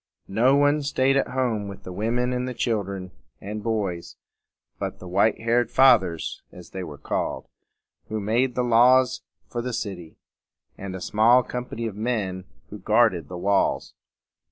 No one staid at home with the women and children and boys but the white haired "Fathers," as they were called, who made the laws for the city, and a small company of men who guarded the walls.